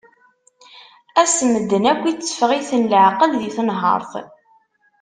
Ass-a medden akk itteffeɣ-iten leεqel di tenhert.